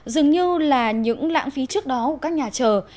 dường như là những lãng phí trước đó của các nhà chờ